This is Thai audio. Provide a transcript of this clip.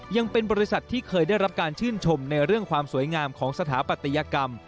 ยังเป็นบริษัทที่เคยได้รับการชื่นชมในเรื่องความสวยงามของสถาปัตยกรรม